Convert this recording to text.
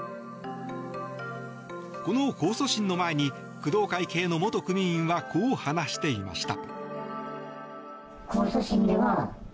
この控訴審の前に工藤会系の元組員はこう話していました。